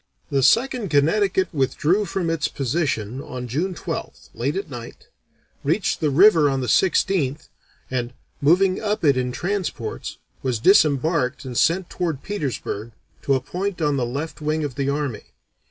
The Second Connecticut withdrew from its position on June 12th, late at night, reached the river on the 16th, and, moving up it in transports, was disembarked and sent toward Petersburg, to a point on the left wing of the army.